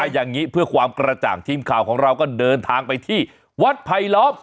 อย่างนี้เพื่อความกระจ่างทีมข่าวของเราก็เดินทางไปที่วัดไผลล้อม